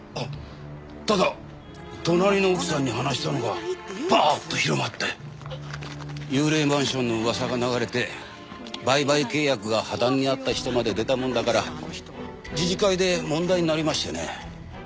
ただ隣の奥さんに話したのがぱーっと広まって幽霊マンションの噂が流れて売買契約が破談になった人まで出たもんだから自治会で問題になりましてね。